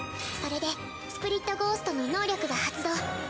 それでスプリットゴーストの能力が発動。